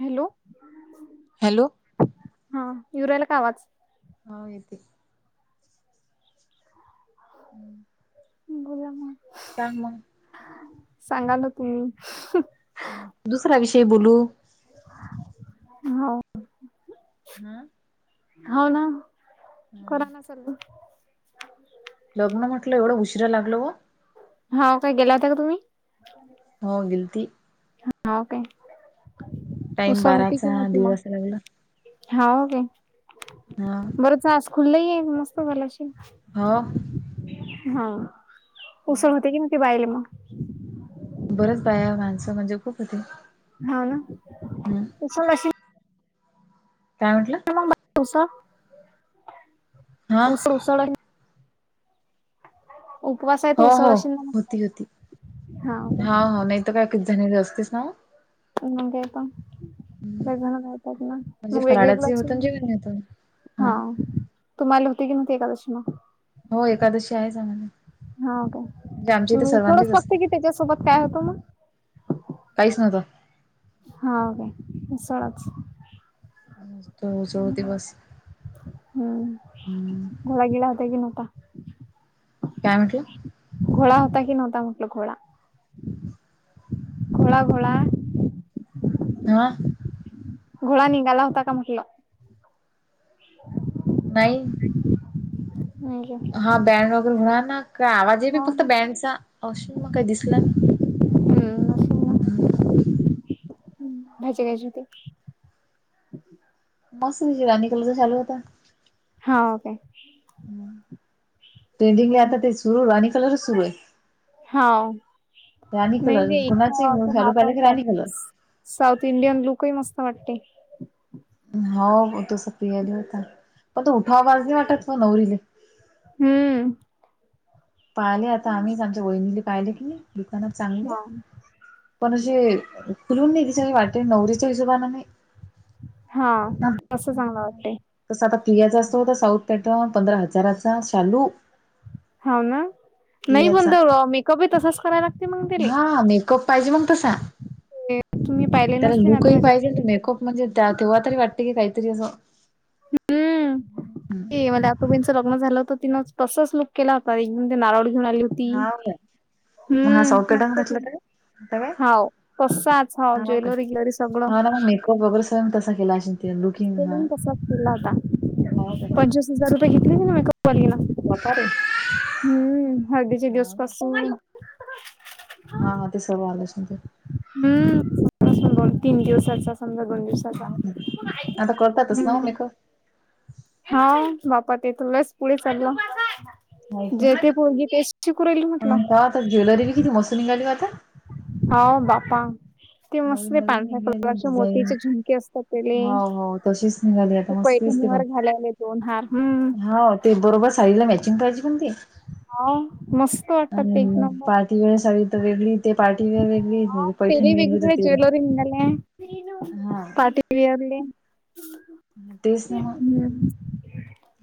Hello. Hello. हा येऊ राहिला का आवाज? हा येते. [inaudible] बोला मग. सांग मग. सांगा ना तुम्ही. दुसरा विषय बोलू. हो. हां. हो ना कराना चालू. लग्न म्हटलं एवढं उशिरा लागलो हो. हाव काय गेला होता का तुम्ही? हो गेल्ती. हा काय टाइम उसळ होती कि बाराचा नवती दीड मग? वाजता लागला हाव काय? हा बरच आज खुल्लही आहे मस्त झाला श हाव हा उसळ होते की नाही ती बाईले मग? बरंच बाया माणसं म्हणजे खूप होती. हा ना त अशी काय म्हटलं? [unintelligible] उसा हा उसा उसळ आहे ना. उपवास आहे तर हो हो उसळ अशील ना मग होती होती हा हो नाही तर काय क झालेले असतेस ना ह काळ [unintelligible] म्हणजे बनातात ना मग वेगवेगळ फराळाचे होत असेल आणि ना जेवण होत [unintelligible] हा. तुम्हाला होती कीव्हती एकादशी मग? हो एकादशी आहे जन हाव काय तुम्ही उकडत असते टाकते की त्याच्यासोबत काय होतो म? काहीच नव्हतं. हाव काय उसळाच [unintelligible] होती हम्म बस हां. हम्म घोडा गेला होता की नव्हता? काय म्हटलं? घोळा होता कि नव्हता म्हटलं घोळा घोळा घोळा. हां. घुळा निघाला होता का म्हटलं? ह [unintelligible] नाही नाही [unintelligible] हा बॅन वगैरे होणार ना. का आवाज आहे बी हा फक्त बँडचा अशीन म काही दिसला नाय. हम्म असेल ना. [unintelligible] मस्त जिवा [unintelligible] चालू होता. हाव काय? ट्रेडिंगला आता ते सुरू, राणी कलरच सुरू हाय. हा राणी नाही कलर, ते कुणाचही इथं ते [unintelligible] चालू केलं की नाचवतात राणी कलर. साऊथ इंडियन लुकही मस्त वाटतंय. हवे तो सपियाली होता, पण तो उठावबाज नाही वाटत म नवरीले. हम्म. पाहिले आता आम्हीच आमच्या वहिनीले पाहिले की नई दुकानात चांगले हा पण असे खुलून नाही ती कसं वाटते नवरीच्या हिशोबाने नाही. हा असं चांगलं वाटतंय. तस आता पियाचा असतो तो साऊथ पॅटर्न, पंधरा हजाराचा चालू. हाव ना. नाही पण प्रियाचा तो मेकअपही तसंच करायला लागते मंग त्याले. कप पाहिजे मग तसा, तुम्ही पाहिले त्याला नसते ना आता लूकही माझ्या पाहिजे अन तो आतोबांचं मेकअप म्हणजे त्या तेव्हातरी वाटते, की काहीतरी असं हम्म. हम्म. ते म्हण आतोबईंचं लग्न झालं होत तिनं तसंच लुक केला होता, एकदम ते नारळ घेऊन आली होत हाव काय, हा साऊथ इंडियन मस्त घातलं केलं काय? आता काय? हाव तसाच हाव हा कर, ज्वेलरी ग्वेलरी सगळं हा ना मग मेकअप वगैरे सेम तसा केला असेल. ते लुकिंग हा सेम तसाच केला होता, हो काय पंचवीस हजार रुपये घेतले तिनं मेकअपवालीन. [inaudible] हम्म हळदीचे हा दिवस काय? पासून हा हा ते सर्व आलंच मग ते. हम्म तीन दिवसांचाच [unintelligible] हा आता करतातच नव मेकअप हा वापरते ते लयचं पुढे चाललं माहिती जे ते पोरगी तेच चिकुरली म्हटलं. त्यात ज्वेलरी किती मस्त निघाली ओ आता. हाव बापा. ते नवीन मस्ले नवीन पांढऱ्या निघाली कलरच्या डिझाईन मोतीचे झुमके असतात त्याले. हो हो तशीच निघाली आता ते मस्त दिसते पण पैठणीवर घालायले दोन हार हम्म. हा ते बरोबर साडीला मॅचिंग पाहिजे पण ते हो मस्त वाटतात ते एक नंबर ती वेळ साडी तर वेगळी, ते पार्टी वेअर वेगळी. हा पैठणी पिरी वेगळी तर वेगवेगळे ते ज्वेलरी म्हणाले. हा पार्टी वेअरली तेच ना मग हम्म.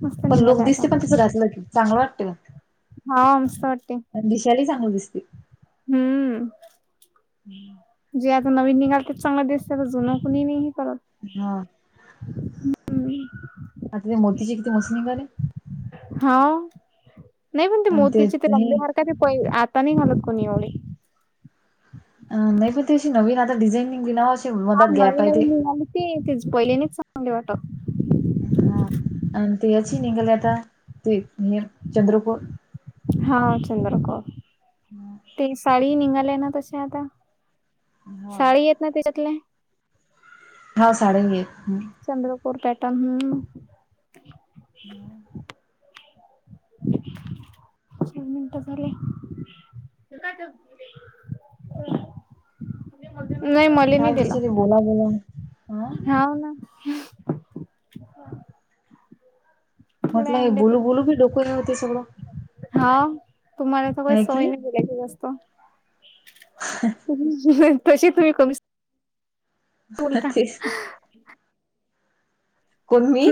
मस्त पण लुक निघाले आता दिसते का तसं घातलं की, चांगलं वाटतं ओ. हा मस्त वाटतंय. पण दिसाय लय चांगली दिसती. हम्म. जे आता नवीन निघालते चांगलं दिसते तर जुनं कुणी नई हे करत हा. [inaudible] आता ते मोतीचे किती मस्त निघाले. हा नाही पण ते आणि मोतीचे ते हे रंबे हारका ते पई, आता नाही घालत कोणी एवढे. अ नाही पण त अशी नवीन आता डिझाइन नी बिनावा हा नवीन नवीन मिळाली ते, ते पहिलेनीच चांगली वाटत हा आणि तेच निघाले, आता ते ने चंद्रकोर. हा हा, चंद्रकोर. हम्म. ते साडी निघालय ना तसे आता, हा साडी येत ना त्याच्यातले. हो साडी आणि गेट हम्म. चंद्रपूर पॅटर्न हम्म. मग [inaudible] चार मिनट झाले. नाही मले नाही काय दिला, बिचारे बोला बोला हा ना. थोडे म्हटलं हे बुलू बुलू बी डोक आहे होते सगळं. हा तुम्हाला तर काही आहे की सवयी नाही बोलायची जास्त. ह् तसे तुम्ही कमीच. अहा बोलता तेच ना. कोण मी?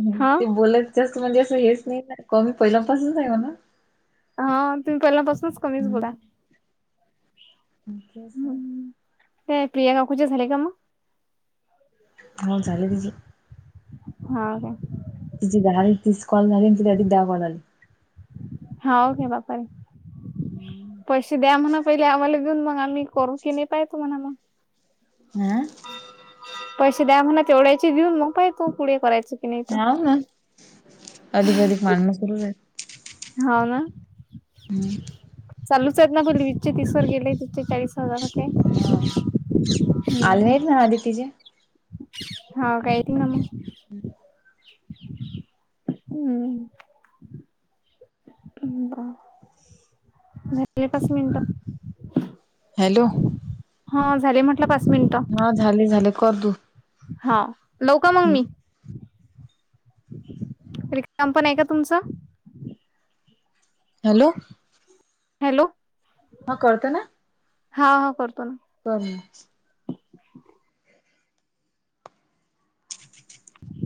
हम्म हा ते बोलत जास्त म्हणजे असं हेच नाही कमी पहिल्यापासूनच आहे म्हणा. हा तुम्ही पहिल्यानापासूनच कमीच बोलताय. इथच ए प्रियां काकूची झाले का मग? हो झाल तिचं हा का तिची दहा तिस कॉल झाली आणि ती दहा कॉल आले. हा ओके बाप रे, पैसे द्या म्हणा पहिले आम्हाला देऊन मग आम्ही करू. कीणी पाय तुम्हाला मग? हम्म? पैसे द्या म्हणा तेवढ्याचे घेऊन, मग पाहि तू पुढे करायच. ह ना, अधिक अधिक माणम सुरू आहे. हो ना. [inaudible] चालूच आहेत ना पर वीसचे तीस वर गेले तीसचे चाळीस. [unintelligible] हम्म. आदि तिजे. हो काय तींग नम हम्म. हम्म हा.. नाही. एकच मिनिट, हॅलो हा झाले म्हटलं पाच मिनिटं. हा झाले झाले कर तू. हा, लावू का मग मी? रिकाम पण आहे का तुमचं? हॅलो हॅलो हा करते ना. हा हा करतो ना. परमच. [inaudible]